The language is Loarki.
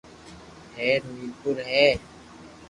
ھير مير پور ھي